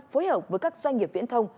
phối hợp với các doanh nghiệp viễn thông